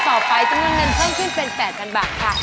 ต่อไปจำนวนเงินเพิ่มขึ้นเป็น๘๐๐๐บาทค่ะ